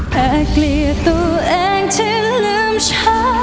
แปลกเรียกตัวเองที่ลืมชาติ